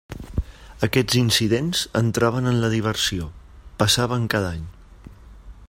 Aquests incidents entraven en la diversió: passaven cada any.